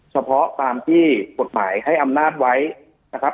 เฉพาะตามที่กฎหมายให้อำนาจไว้นะครับ